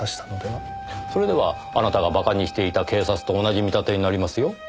それではあなたがバカにしていた警察と同じ見立てになりますよ？